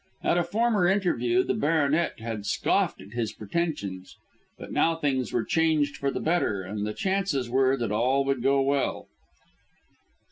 At a former interview the baronet had scoffed at his pretensions; but now things were changed for the better, and the chances were that all would go well.